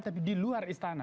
tapi di luar istana